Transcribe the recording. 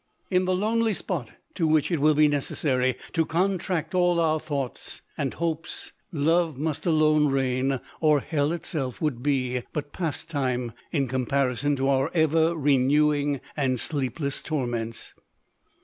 — In the lonely spot to which it will be necessary to contract all our thoughts and hopes, love must alone reign ; or hell itself would be but pastime in comparison to our ever renewing and sleepless torments.